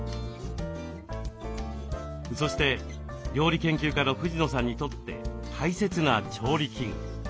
そして料理研究家の藤野さんにとって大切な調理器具。